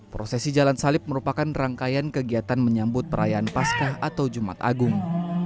prosesi jalan salib merupakan rangkaian kegiatan menyambut perayaan pascah atau jumat agung